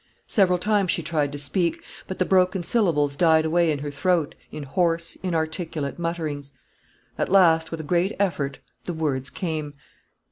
Several times she tried to speak; but the broken syllables died away in her throat in hoarse, inarticulate mutterings. At last, with a great effort, the words came.